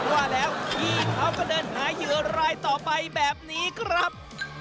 ว่าแล้วพี่เขาก็เดินหาเหยื่อรายต่อไปแบบนี้ครับ